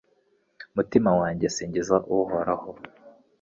Mutima wanjye singiza Uhoraho